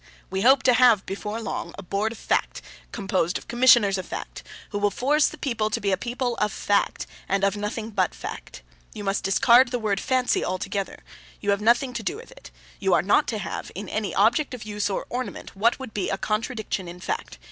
We hope to have, before long, a board of fact, composed of commissioners of fact, who will force the people to be a people of fact, and of nothing but fact. You must discard the word Fancy altogether. You have nothing to do with it. You are not to have, in any object of use or ornament, what would be a contradiction in fact.